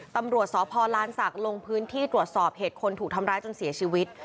ตำรวจสพลานศักดิ์ลงพื้นที่ตรวจสอบเหตุคนถูกทำร้ายจนเสียชีวิต